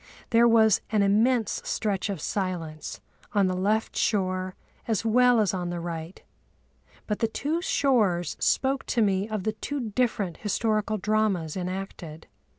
There was an immense stretch of silence on the left shore as well as on the right, but the two shores spoke to me of the two different historical dramas enacted.